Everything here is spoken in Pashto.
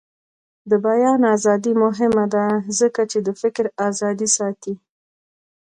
د بیان ازادي مهمه ده ځکه چې د فکر ازادي ساتي.